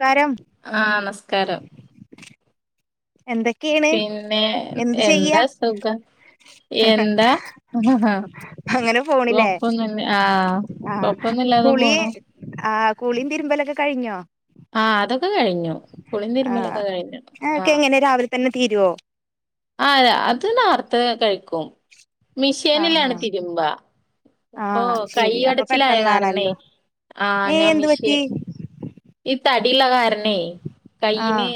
കാരം ആഹ് നമസ്കാരം [unintelligible] എന്തൊ പിന്നെ എന്താ സുഖം എന്താ അങ്ങനെ പോണില്ലേ ഒപ്പ ന്നെ ആഹ കൊപ്പന്നും ഇല്ലാതെ പോണ് ആഹ് കുളീം തിരുമ്പലൊക്കെ കഴിഞ്ഞോ ആഹ് അതൊക്കെ കഴിഞ്ഞു കുളീം തിരുമ്മലൊക്കെ കഴിഞ്ഞു ക്കെ ആഹ് എങ്ങനെ രാവിൽ തന്നെ തീരുമോ ആഹ് അത് നെർത്ത കഴിക്കും ആ ആ മിഷീനിലാണ് തിരുമ്പ ആ അപ്പൊ കൈ ശരി അപ്പൊ ടച്ചിലായ കാരണേ പെട്ടെന്നാണല്ലോ ആഹ് ഏ ഞാൻ എന്ത് മിഷ പറ്റി ഈ തടിള്ള കാരണേ ആ കൈന്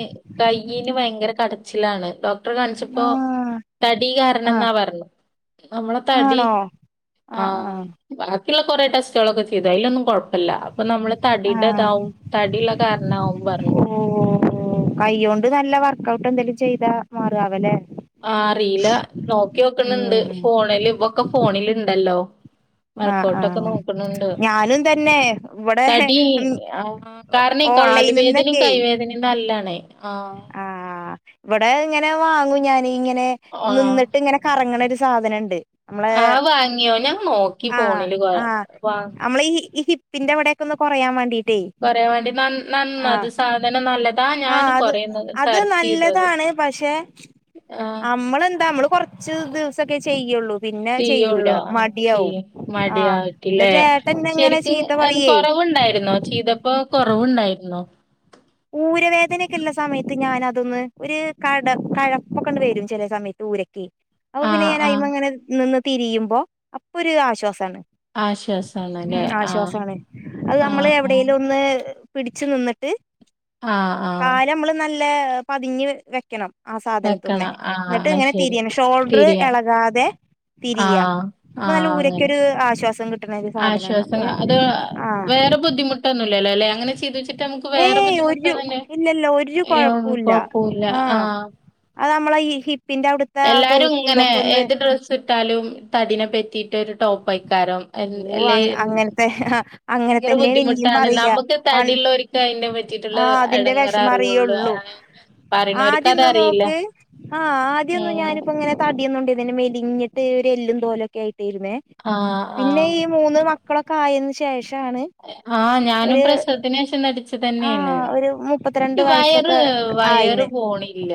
കൈന് ഭയങ്കര കടച്ചിലാണ് ഡോക് കാണിച്ചപ്പോ ആ തടി കാരണം ആ ന്നാ പറഞ്ഞു നമ്മളെ തടി ആഹ ആഹ് ആഹ ബാക്കിയുള്ള കുറെ ടെസ്റ്റുകളൊക്കെ ചെയ്തു അയ്ലൊന്നും കൊഴപ്പല്ല അപ്പൊ നമ്മള് ആ തടീട ഇതാവും ടിള്ള കാരണം ആവും പർഞ്ഞ് ഓഓ കൈ കൊണ്ട് നല്ല വർക്ക്ഔട്ട് എന്തേലും ചെയ്താ മാറാവല്ലേ ആ അറിയില്ല നോക്കി വോക്കണണ്ട് ഉം ഫോണില് പ്പോ ക്കെ ഫോണിൽ ഇണ്ടല്ലോ ആ ആ വർക്കോട്ടൊക്കെ നോക്കുന്നുണ്ട് ഞാനും തന്നെ ഇവിടെ തടി ആഹ് കാരണം കാലുവേദനിം ഓൺലൈനിന്നൊക്കെ കൈവേദനിം നല്ലാണ ആഹ് ആഹ് ഇവടെ ഇങ്ങനെ വാങ്ങൂ ഞാന് ഇങ്ങനെ ആഹ് നിന്നിട്ട് ഇങ്ങനെ കറങ്ങണ ഒരു സാധന്ണ്ട് നമ്മള് ആഹ് വാങ്ങിയോ? ഞാൻ നോക്കി ആഹ് ഫോണില് കൊ ആഹ് വാ നമ്മളി ഹി പ്പിന്റെവടെക്കൊന്ന് കൊറയാൻ വേണ്ടി കൊറയാൻ വേണ്ടി നന്ന നന്നത് സാധനം നല്ലതാ ഞാൻ ആഹ് അത് കൊറേ അത് സെർച്ചെയ്തു അത്. നല്ലതാണ് പഷേ ആഹ് അമ്മളെന്താ മ്മള് കൊറ ച്ച് ദിവസൊക്കെ ചെയ്യോള്ളൂ പിന്നെ ചെയ്യൂല ചെയ്യുള്ളൂ ആഹ് മടിയാവും ചെയ്യും ആഹ് എന്നിട്ട് എട്ടന്നങ്ങനെ കൊറവുണ്ടാരുന്നോ ചെയ്തപ്പോ കൊറവുണ്ടാരുന്നോ ഊരവേദനൊക്കെള്ള സമയത്ത് ഞാൻ അതൊന്ന് ഒരു കട കഴപ്പൊക്കണ്ട് വരും ചെല സമയ ഊരക്ക് അപ്പോ പിന്നെ ആഹ് ഞാൻ ആഹ് അയ്മ്മങ്ങനെ നിന്ന് തിരിയുമ്പോ അപ്പോരു ആശ്വാസാണ് ആശ്വാസാണല്ലേ ഉം ആഹ് ആശ്വാസവാണ് അത് നമ്മള് ആഹ് ആഹ് എവിടെലും ഒന്ന് പിടിച്ച് നിന്നിട്ട് ആഹ് ആഹ് കാലമ്മള് നല്ല പതിഞ്ഞ് വെക്കണം ആ സാധനത്ത്മേ വെക്കണം ആഹ് എന്നിട്ട് അത് ഇങ്ങനെ ശരി തിരിയണം ഷോൾഡർ തിരിയ എളകാതെ തിരിയാ ആഹ് അപ്പോ ആഹ് നല്ല അങ്ങനെ ഊരക്കൊരു ആശ്വാസം കിട്ടണ ഒരു സാധനണ് അപ്പോ ആഹ് ബുദ്ധിമുട്ടോന്നുല്ലല്ലോലേ അങ്ങനെ ചെയ് തിട്ട് നമുക്ക് വേറെ ഏയ് ബുദ്ധിമുട്ട് ഒരു തന്നെ ഇല്ലല്ല ഒരു [unintelligible] കൊഴപ്പുല്ല കൊഴപ്പുലാ ആഹ് അത് നമ്മളെ ഈ ഹിപ്പിന്റെ അവട് എല്ലാരും ഇങ്ങനെ ഏത് ഡ്രസ്സ് ഇട്ടാലും തടിനെ പറ്റിട്ട് ഒരു ടോപ്പയ്ക്കാരം ഓഹ്‌ അങ്ങൻ അങ്ങനത്തെ അങ്ങനെ ഭയങ്കര തന്നെയാണ് ഇന്നിം ബുദ്ധിമുട്ടാണ്. പറയാ നമുക്ക് തടിള്ളോര്ക്ക് അയിനെ പറ്റിയിട്ടുള്ള ആഹ് അതിന്റെ എടങ്ങേറ് വെഷമം അറിയുള്ളൂ. അറിയൊള്ളു അങ്ങനെ പറയണോര്ക്ക് ആദ്യൊന്നു അതറിയില്ല. നോക്ക് ആഹ്‌ ആദ്യോന്നു ഉം ഞാനിപ്പോ അങ്ങനെ തടി ഒന്നും ഇണ്ടായിരുന്നില്ല മെലിഞ്ഞിട്ട് ഒരു എല്ലും തോലും ഒക്കെ ആയിട്ടായിരുന്നേ ആഹ് പിന്നെ ആഹ് ഈ മൂന്ന് മക്കളൊക്കെ ആയതിന് ശേഷാണ് ആഹ് ഞാനും ഒരു പ്രസവത്തിനേഷം തടിച്ച് ആ ട്ടന്നെയാണ് ഒരു മുപ്പത്തിരണ്ട് വയറ് വയസ്സൊക്കെ ആയിന് വയറ് പോണില്ല.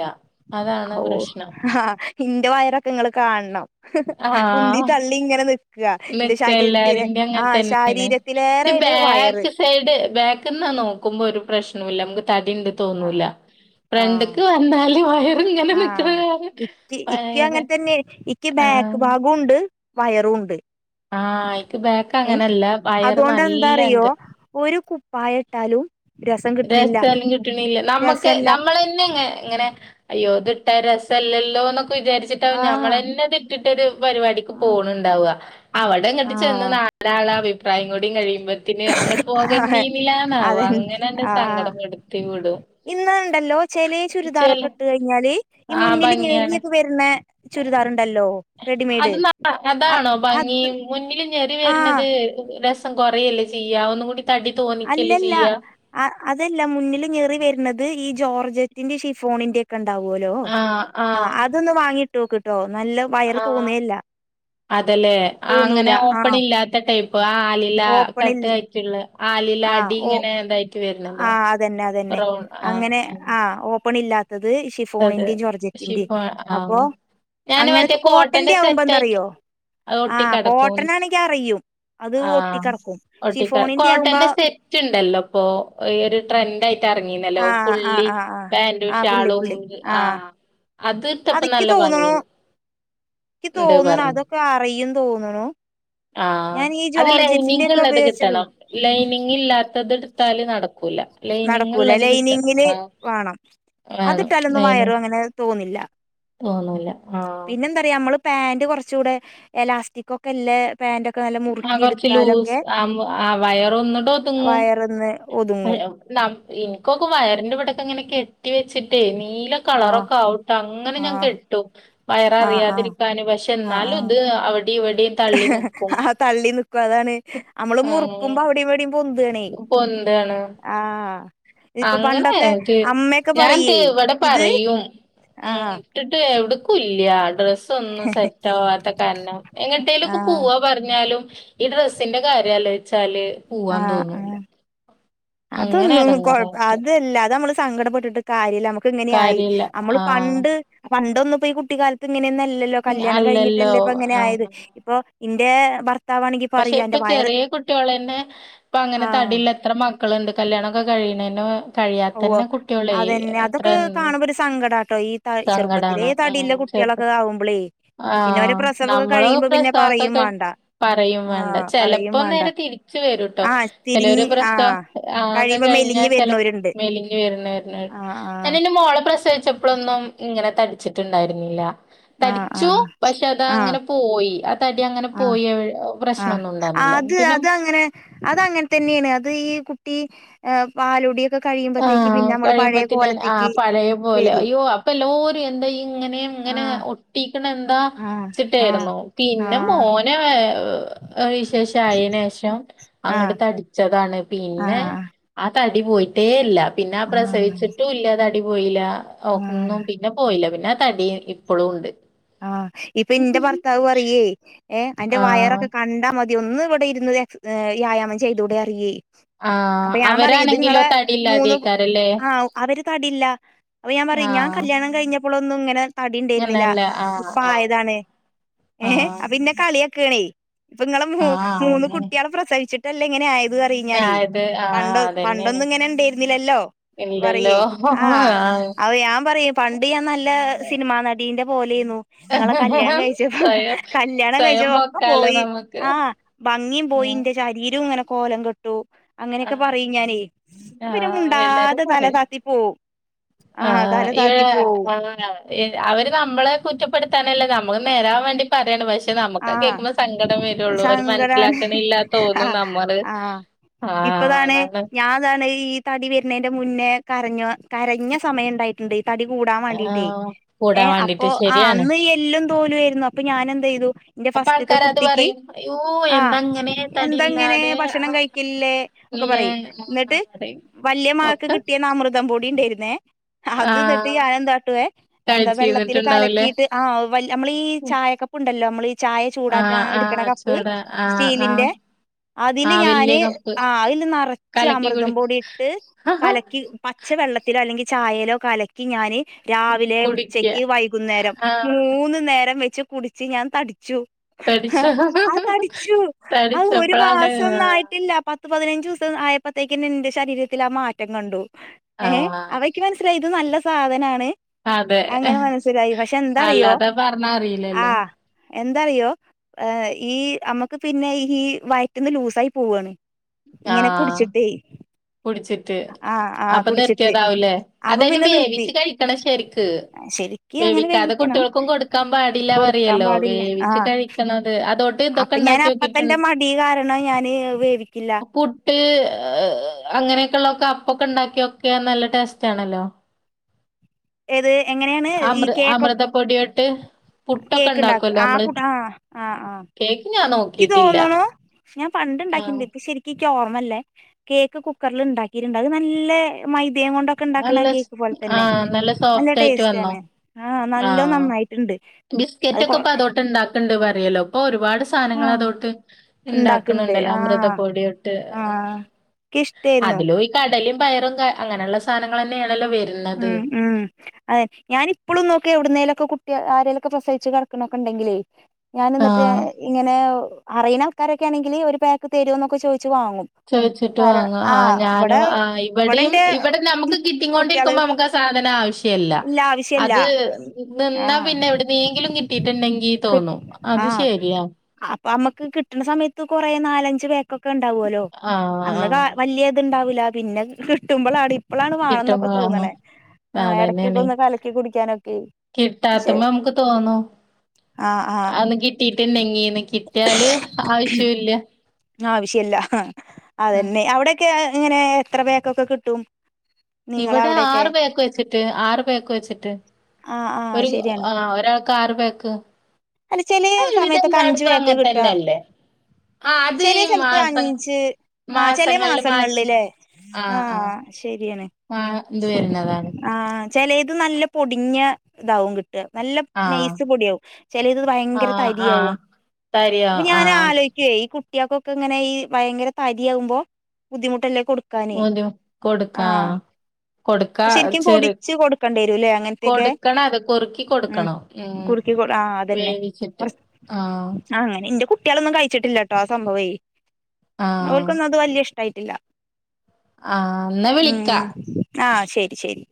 അതാണ് പ്രശ്നം ആഹ് ഇന്റെ വയറൊക്കെ ഇങ്ങള് കാണണം ഉന്തി ആഹ് തള്ളി ഇങ്ങനെ നി ക്കാ ഇന്റെ നിക്ക ശരീരത്തിന് എല്ലാരിന്റേം അങ്ങനെ ആഹ് തന്നേണ്. ഇത് ശാരീരത്തിലേറേണ് വയറ് ബാക്ക് സൈഡ് ബാക്ക്ന്ന് നോക്കുമ്പോ ഒരു പ്രശ്നോല്ല നമ്മക്ക് തടിണ്ട് ആഹ് തോന്നൂല്ല ഫ്രണ്ട്‌ക്ക് വന്നാല് വയ ആഹ്‌ ഇയ്ക്ക് ഇയ്ക്ക് വയറ് അങ്ങനെ തന്നെ ഇയ്ക്ക് ആഹ് ബാക്ക് ഭാഗോണ്ട് വയറൂവോണ്ട് ആഹ് ഇക്ക് ബാക്ക് ഏഹ്‌ അങ്ങനല്ല വയറ് അതോണ്ട് എന്താറിയോ നല്ലണ്ട് ഒരു കു പായട്ടാലും രസാലും കിട്ടണില്ല നമ്മക്ക് രസല്ല നമ്മളെ ന്നെ ഇങ്ങേ ഇങ്ങനെ അയ്യോ ഇത് ഇട്ടാ രസല്ലല്ലോ എന്നൊക്കെ വിചാരിച്ചിട്ടാവും ആഹ് ഞമ്മളെന്നെ ഇത് ഇട്ടിട്ടൊരു പരിപാടിക്ക് ആഹ് പോണുണ്ടാവാ അവടെ അങ്ങട്ട് ചെന്ന് ആഹ് നാലാളെ അഭിപ്രായം കൂടി കഴിയുമ്പത്തിന് അങ്ങട്ട് പോക ണ്ടിന്നില്ലാന്നാവും അതെ അങ്ങനണ്ട് സങ്കടപ്പെടുത്തി വിടും. ഇന്നാണ്ടല്ലോ ചെല ചെല ചുരിദാറൊക്കെ ഇട്ട് കഴിഞ്ഞാല് ഈ ആഹ് മുന്നില് ഭംഗിയാണ് ഞെറിയൊക്കെ വര്ണേ ചുരിദാറുണ്ടല്ലോ അത് റെഡിമെയ്ഡ് ന ആഹ് അതാണോ ഭംഗി അത് മുന്നില് ഞെറി ആഹ് വര്ണത് രസം കൊറയല്ലേ ചെയ്യാ ഒന്നും കൂടി തടി തോന്നിക്കല്ലേ അല്ലല്ല ചെയ്യാ അ അതല്ല മുന്നില് ഞെറി വര്ണത് ഈ ജോർജറ്റിന്റെ ഷിഫോണിന്റെ ക്കെണ്ടാവോലോ ആഹ് അതൊന്ന് വാങ്ങിട്ടോക്ക്ട്ടോ നല്ല വയറ് ആഹ് തോന്നേയില്ല അതല്ലേ ആ അങ്ങനെ ഓപ്പൺ ആഹ് ഇല്ലാത്ത ടൈപ്പ് ആ ആലില കട്ട് ഓപ്പണില്ല അയ് ട്ട്ള്ള ആലില ആഹ് അടി ഓ ഇങ്ങനെ ഇതായിട്ട് വര്ണതോ ആഹ് അതന്നെ അതന്നെ റൗൺ ആഹ്‌ അങ്ങനെ ആ ആഹ് ഓപ്പൺ ഇല്ലാത്തത് ഷിഫോണിന്റെ ജോർജറ്റിന്റെ ഷിഫോ അപ്പൊ ആഹ് ഞാന് മറ്റേ അങ്ങനത്തെ കോട്ടന്റെ ആവുമ്പോ സെറ്റ് ആയിട്ട് എന്താറിയോ അത് ഒട്ടി ആഹ്‌ കെടക്കും കോട്ടണാണെങ്കി അറിയും അത് ഒട്ടി ആഹ് കെടക്കും ഷിഫോണിൻ റ്റുണ്ടല്ലോ ഇപ്പോ ഈ ഒരു ട്രെൻഡ് ആയി ട്ട് എറങ്ങീന്നല്ലോ ആഹ് ആഹ് പുള്ളി ആഹ് ആഹ് പാൻ്റും ആഹ് പുള്ളി ഷാളും പുള്ളി ആഹ് ആഹ്‌ അത്ട്ടപ്പ അതിക്ക് നല്ല ഭംഗി തോന്നണു ക്ക് ഉണ്ട് തോന്നണു പറഞ്ഞു അതൊക്കെ അറിയും തോന്നുണു ആഹ്‌ അത് ലൈനിങ് ഒക്കെ ഇള്ളത് ഉപയോഗിച്ച കിട്ടണം ലൈനിങ് ഇല്ലാത്തത് എടുത്താല് നടക് നടക്കൂല ലൈനിങ്ങിന് ആഹ് വേണം വേണം അതിട്ടാലൊന്നും വയറ് അങ്ങനെ തോന്നില്ല തോന്നൂല്ല ആഹ്‌ പിന്നെന്താറിയോ നമ്മള് പാന്റ് കൊറച്ചൂടെ എലാസ്റ്റിക്കൊക്കെ ഇല്ലെ ആ കൊറച്ച് ലൂസ് ആവ്മ്പോ ആ വയറ് ഒന്നൂടൊതുങ്ങും വയറിന്ന് ഒതുങ്ങും ന ഇൻക്കൊക്കെ വയറിന്റെ ഇവിടൊക്കെ ഇങ്ങനെ കെട്ടി വെച്ചിട്ടേ നീല ആഹ് ക്കളറൊക്കെ ആവുട്ടോ അങ്ങനെ ഞാൻ ആഹ് കെട്ടും വയറ് ആഹ് ആഹ് അറിയാതിരിക്കാന് പക്ഷെ ആഹ് എന്നാലും ആഹ് ഇത് അവിടെയും ഇവിടെയും തള്ളി നിക്കും ആ തള്ളി നിക്കും അതാണ് അമ്മള് ആഹ് മുറുക്കുമ്പോ അവിടെം ഇവിടേം പൊന്ത്വാണേ പൊന്താണ് ആഹ്‌ ഇപ്പോ അങ്ങനെ പണ്ടൊക്കെ ഇത് അമ്മയൊക്കെ ഞാൻ ഇത് പറയേ ഇവിടെ ഇത് പറയും ഉം ആഹ്‌ ഇട്ടിട്ട് എവിട്ക്കും ഇല്യ ഡ്രസ് ഒന്നും സെറ്റാവാത്ത കാരണം എങ്ങട്ടേലൊക്കെ ആഹ് പോവാ ഞ്ഞാലും ഈ ഡ്രസ്സിന്റെ കാര്യം ആലോയ്ച്ചാല് ആഹ് ആഹ് അങ്ങനെ അതൊന്നും കൊയ എടങ്ങേറായിട്ട് അതല്ല അത് അമ്മള് സങ്കടപ്പെട്ടിട്ട് കാര്യല്ല അമ്മക്ക് ഇങ്ങനെയായി കാര്യല്ല അമ്മള് ആഹ് പണ്ട് പണ്ടൊന്നുംപ്പോ ഈ കുട്ടിക്കാലത്ത് ഇങ്ങനെയൊന്നല്ലല്ലോ കല്യാണം അല്ലല്ലോ കയിഞ്ഞിട്ടല്ലേ ഇപ്പ ഇങ്ങനെ ആയത് ആഹ് ഇപ്പോ ഇന്റെ ഭർത്താവാണെങ്കി പറയും അന്റെ വയറ് റ്റൊളെന്നെ ഇപ്പ അങ്ങനെ ആഹ് തടിയിള്ള എത്ര മക്കൾണ്ട് കല്യാണൊക്കെ കഴിയണേനു ഉവ്വ അതെന്നെ അതൊക്കെ കാണുമ്പോ ഒരു സങ്കടാട്ടോ ഈ ത ചെറുപ്പത്തിലേ സങ്കടാണ് ഉം തടീല്ലെ കു ചെറുപ്പ ട്ടികളൊക്കെ ആവുമ്പളെയ് ആഹ് നമ്മള് പ്രസവൊക്കൊ പറയും കയ് വേണ്ട പറയും വേണ്ട ആഹ് പറയും ചെലപ്പോ വേണ്ട നേരെ തിരിച്ചു വെരൂട്ടോ ആഹ് ചെലോര് തിരിഞ്ഞ് പ്രസവം ആഹ് ആകെ കഴിയുമ്പോ കഴ്ഞ്ഞാ മെലിഞ്ഞ് ചെലെ വരുന്നോരുണ്ട് മെലിഞ്ഞ് വെരണ്വെര്ണ് ആഹ് ഞാനെന്റെ മോളെ പ്രസവിച്ചപ്പളൊന്നും ഇങ്ങനെ തടിച്ചിട്ടുണ്ടായിരുന്നില്ല. ആഹ് തടിച്ചു ആഹ് പക്ഷെ അത ആഹ് അങ്ങനെ പോയി ആ തടി ആഹ് അങ്ങനെപോയി എവു ആഹ് ആത് അത് ങ്ങനെ അതങ്ങൻതന്നേണ് അത് ഈ കുട്ടി ഏ പാലുടി ആഹ് കഴിയുമ്പത്തിന് ആ പഴയെ പോലെ വരും അയ്യോ അപ്പ എല്ലാരും എന്താ ഇയ്യ് ഇങ്ങനെ ഇങ്ങനെ ആഹ് ഒട്ടിക്ക്ണെന്താ ആഹ് ആഹ് ച്ചിട്ടേര്ന്നു പിന്നെ ആഹ് മോനെ വിശേഷായേനേഷം അങ്ങട് ആഹ് തടിച്ചതാണ് പിന്നെ ആഹ് ആ തടിപോയിട്ടേ ഇല്ല പിന്നെ ആ ആഹ് പ്രസവിച്ചിട്ടുഇല്ല തടിപോയില്ല ആഹ് ഒന്നും പി ന്നെപോയില്ല പിന്നെ ആ തടി ഇപ്പളൂണ്ട്. ആഹ് ഇപ്പൊ ഇന്റെ ഭർത്താവ് പറയുയെയ് ഏ അന്റെ ആ വയറൊക്കെ കണ്ടാമതി ടി ഒന്ന് ഇവടെ ഇരുന്ന് ദേ വ്യായാമം ചെയ്തൂടെ അറിയെയ്. ആ അപ്പൊ ഞാൻ പറയും ഇത് അവരാണെങ്കിലോ ഇങ്ങളെ തടി മൂന്ന് ഇല്ലാതെക്കാരല്ലേ ആ അവര് തടില്ല. അത് ഞാൻ ആ പറയും ഞാൻ കല്യാണം കയിഞ്ഞ പ്പളൊന്നും ഇങ്ങനെ തടിണ്ടായിരുന്നില്ല. അങ്ങനല്ല ആ ഇപ്പ ആ അയതാണ്. ആ ഏഹ് അപ്പന്നെ കളിയാ ക്കണ് ഇപ്പ ഇങ്ങടെ ആ മൂന്ന് അങ്ങനെ കുട്ടിയാളെ പ്രസവിച്ചിട്ടല്ലെ ഇങ്ങനെ ആയ ത് പറയു ഞാനേ. ആയത് ആഹ് പണ്ടൊ അതന്നെയാണ് പണ്ടൊന്നും ഇങ്ങനെ ഇണ്ടായിരുന്നില്ലല്ലോ? പറയുയെ ആഹ് അപ്പോ ഞാൻ പറയും പണ്ട് ഞാൻ നല്ല സിനിമാനടീന്റെ പോലെയിന്നു. ഇങ്ങളെ കല്യാണം കഴിച്ചപ്പോ. സ്വയം കല്യാണം സ്വയം കഴിച്ചപ്പോ പൊക്കാലോ ഒക്കെപോയി. നമുക്ക് ആഹ് ഭംഗി പോയി ഉം ഇന്റെ ശരീരം ഇങ്ങനെ കോലംകെട് ട്ടു അങ്ങനെക്കെ ആഹ് പറയും ഞാനെ. അപ്പ പിന്നെ ആഹ് മുണ്ടാതെ തലതാത്തി പോവും. ആഹ് തല താത്തി പോവും [unintelligible] ഏ അവര് നമ്മളെ കുറ്റപ്പെടുത്താനല്ല നമ്മള് നേരാവാൻവേണ്ടി പറയാണ്. പക്ഷെ നമ്മക്കത് ആഹ് കേക്കുമ്പോ സങ്കടം വെരൊള്ളൂ അവര് സങ്കടാണ് മനസ്സിലാക്കണ്ല്ല തോന്നും ആഹ് നമ്മള് ആഹ് ആഹ് ഇപ്പതാണ്. അതാണ് ഞാനാതാണ് ഈ തടി വെര്നെന്റെ മുന്നേ കരഞ്ഞു കരഞ്ഞ സമയംഇണ്ടായിട്ടുണ്ട് ഈ തടി കൂടാൻ വാണ്ടീട്ടേ. ആഹ് കൂടാൻ ഏഹ് അപ്പൊ വേണ്ടിട്ട് ആ ശരിയാണ് അന്ന് എല്ലും തോലുവേയിരുന്നു അപ്പൊ ഞാനെന്തെയ് തു ഇന്റെ അപ്പൊ ഫസ്റ്റ്ത്തെ ആൾക്കാര് അത് കുട്ടിക്ക് പറയും അയ്യോ ആ എന്താ അങ്ങനെ എന്തങ്ങനെ തടിയില്ലാതെ ആ, ഭക്ഷണം കഴിക്കില്ലേ ഒക്കെ ഇല്ലേ പറയിം ആ, എന്നിട്ട് പറയും വല്ല്യാ മകക്ക് ഒക്കെ കിട്ടിയെന്നെ അമൃതംപൊടി ഇണ്ടര്ന്നെ ആ അത് എന്നിട്ട് ഞാനെന്താട്ടുവെ എന്താ വെള്ളത്തില് കഴിച്ചിരുന്നിട്ടുണ്ടാവൂലേ കലക്കിയിട്ട് ആഹ് വല്ല് നമ്മളീ ഈ ചായക്കപ്പ്ണ്ടല്ലോ നമ്മൾ ഈ ചായ ആ ചൂടാറ്റാൻ ആ എടുക്ക്ണ കപ്പ് അച്ചൂട ആ ആ സ്റ്റീലിന്റെ ആ അതില് വല്യ ഞാന് കപ്പ് ആ അയ്ല് നെറച്ച് കലക്കി കുടി അമൃതംപൊടി ഇട്ട് കലക്കി പച്ച വെള്ളത്തിലോ അല്ലെങ്കിൽ ചായെലോ കല ക്കി ഞാന് രാവിലെ കുടിക്ക ഉച്ചക്ക് വൈകുന്നേരം ആ മൂന്ന് നേരം വെച്ച് ച്ച് ഞാൻ തടിച്ചു. തടിച്ച ഹാ തടിച്ചു അ ഒരു തടിച്ചപ്പോഴാണ് മാസൊന്നും ആയിട്ടില്ല പത്ത് പത്ത് പതിനഞ്ചൂസം ആയപ്പോത്തേക്ക് എന്റെ ശരീരത്തില് ആ മാറ്റം കണ്ടു. ആ ഏഹ് അവ എനിക്ക് മനസ്സിലായി ഇത് നല്ല സാധനാണ്. അതെ അങ്ങനെ മനസ്സിലായി. പക്ഷെ എന്തറിയോ? വർന്ന അറിയില്ലല്ലോ? എന്താറിയോ ഏ ഈ അമ്മക്ക് പിന്നെ ഈ വയറ്റിന്ന് ലൂസായി പോവാണ് ആ ഇങ്ങനെ കുടിച്ചിട്ടേ. കുടിച്ചിട്ട് ആഹ് ആഹ് അപ്പ കുടിച്ചിട്ട് നിർത്തിയതാവൂലേ. അപ്പൊ അതയിന് പിന്നെ നിർത്തി വേവിച്ച് കഴിക്കണം ശരിക്ക്. ശരിക്ക് അങ്ങനെ വേവിക്കാതെ വേവിക്കണം കുട്ടിയോള്ക്ക്‌ ക്കാം പാടില്ല കൊടുക്കാൻ പറയല്ലോ പാടില്ല വേവിച്ച് ആഹ് കഴിക്കണത്. അതോട്ട് ഇതൊക്കെണ്ടാക്കി വെക്കല് എന്റെ മടി കാരണം ഞാന് വേവിക്കില്ല. ട്ട് അങ്ങനെയൊക്കെയുള്ളക്കെ അപ്പൊക്കെ ഉണ്ടാക്കിയക്കെ നല്ല ടേസ്റ്റ് ആണല്ലോ. ഏത് എങ്ങനെയാണ് ഈ അമൃ കേക്കൊക്കെ അമൃതപ്പൊടിയോട്ട് പുട്ടൊക്കെ കേക്ക് ഉണ്ടാക്ക [unintelligible] കേക്കിനാന്നോ ക്ക് തോന്നുണു ഞാൻ പണ്ട് ഇണ്ടാക്കിണ്ട് ഇപ്പ ശരിക്ക്‌ ക്ക് ഓർമ്മല്ലേ കേക്ക് കുക്കറിൽ ഇണ്ടാക്കിയിട്ടുണ്ട്. അത് നല്ല മൈദെ കൊണ്ട ക്കെ ഉണ്ടാക്കുണ നല്ല സ്- കേക്ക് പോലെ ആ തന്നെ. നല്ല സോഫ്റ്റ് ആയിട്ട് ടേസ്റ്റ് വന്നോ ആണ്. ആഹ ആ നല്ലോ നന്നായിട്ടിണ്ട് അത് കൊ ണ്ട് പറയല്ലോ. ഇപ്പ ഒരുപാട് സ് ആഹ് സാധങ്ങളെതൊട്ട് ഇണ്ടാക്ക്ണ്ട് ഇണ്ടാക്കണണ്ടല്ലോ അമൃതപൊടിയൊട്ട് ക്ക്‌ ഈഷ്ടായിരുന്നു. കടലേം പയറൊക്കെ അങ്ങനുള്ള സാധനങ്ങളാണല്ലോ വ.. ഉം ഉം അതെ ഞാനിപ്പളും നോക്കെ എവിടുന്നേലൊക്കെ കുട്ടി ആരെലൊക്കെ പ്രസവിച്ചു കിടക്കണൊക്കെ ഉണ്ടെങ്കിലേ ഞാൻ ആ എന്നിട്ട് ഇങ്ങനെ അറിയണ ആൾക്കാരൊക്കാണെങ്കില് ഒരു പാക്ക് തരുവൊന്ന് ചോദിച്ച് വാങ്ങും ചോദിച്ചിട്ടു കാര വാങ്ങ ആഹ് ഇവടെ ഞാനും ആഹ് ഇവിടിം ഇവടെന്റെ ഇവിടെ നമ്മുക്ക് കിട്ടി കുട്ട്യാള് കൊണ്ടിരിക്കണ... [unintelligible] നമ്മുക്ക് ആ സാധനം ആവശ്യം ഇല്ല അത് നിന്നാ ആഹ് പിന്നെ എവിടെന്നെങ്കിലും കിട്ടിയിട്ടുണ്ടെങ്കി തോന്നും അത് ശെരിയാ അപ്പ നമ്മക്ക് കിട്ടണ സമയത്ത് കൊറേ നാലഞ്ച് പേര്. ഒക്കെ ഉണ്ടാവുല്ലോ ആഹ് ആഹ് അന്നരം വലിയ ഇത് ഉണ്ടാവൂല്ല പിന്നെ കിട്ടുമ്പോൾ ഇപ്പളാണ് വാണന്നൊക്കെ കിട്ടുമ്പോ വാങ്ങും. തോന്നണേ ആഹ് എടക്കൊക്കെ അതന്നെയാണ്. ഒന്ന് കലക്കി കുടിക്കാനൊക്കെ പക്ഷെ കിട്ടാത്തുമ്പോ നമുക്ക് ആഹ് ആഹ് കിട്ടീട്ടുണ്ടെങ്ങീന്ന് കിട്ടിയാല് ആവശ്യം ഇല്ല ആവശ്യം ഇല്ല. ഉം. അതന്നെ അവിടെക്കെ ഇങ്ങനെ എത്ര [unintelligible] കിട്ടും നിങ്ങള ഇവിടെ അവിടെയൊക്കെ ആറു ബേക്ക് വച്ചിട്ട് ആറ് ബേക്ക് വച്ചിട്ട് ആഹ് ആഹ് ഒരു ശരിയാണ് ആഹ് ഒരാൾക്ക് ആറ്പാക്ക് അല്ല ചില സമയത്തൊക്കെ അഞ്ചു പാക്ക് അങ്ങനെ കിട്ടാ തന്നെയല്ലേ? ആ അത് ചില ഈ സ്ഥലത്ത് മാസം അഞ്ച് ആഹ് ചില മാസങ്ങളില് മാച്ച് മാസങ്ങളില്ലേ ആഹ് ശരിയാണ് ആഹ് [unintelligible] വരുന്നത ആഹ് ചിലത് നല്ല പൊടിഞ്ഞ് ഇതാവും കിട്ടും നല്ല ആ നൈസ് പൊടിയാവും ചിലത് ആ ഭയങ്കര ആ തരിയാവും തരിയോ അപ്പ ആ ഞാന് ആലോചിക്കുവേ ഈ കുട്ടികൾകൊക്കെ ഇങ്ങനെ ഈ ഭയങ്കര തരിയാകുമ്പോ ബുദ്ധിമുട്ടല്ലേ കൊടു... [unintelligible] കൊടുക്കാം ശരിക്കും പൊടിച്ച് കൊടുക്കേണ്ടി വരും ഇല്ലേ അങ്ങനത്തെക്കെ കൊടുക്കണ അത് കുറുക്കി ഉം കൊടുക്കണം ഉം കുറുക്കി ആഹ് അതന്നെ വേവിച്ചിട്ട് ആ അങ്ങനെ എന്റെ കുട്ടികളൊന്നും കഴിച്ചിട്ടില്ലട്ടോ ആ സംഭവേ ആ ഓല്ക്കൊന്നും അത് വല്ല്യ ഇഷ്ടായിട്ടില്ല ആ എന്നാ ഉം വിളിക്കാ ഉം ആഹ് ശരി ശരി